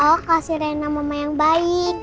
oh kasih rena mama yang baik